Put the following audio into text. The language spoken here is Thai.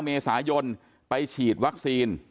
เมษายนไปฉีดวัคซีน